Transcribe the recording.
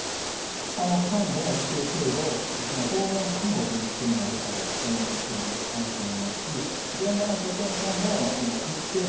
看護も一定程度訪問看護という仕組みもあるかと思いますけれどあると思いますし。